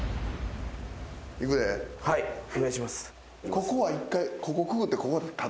ここは一回ここくぐってここ立つわ。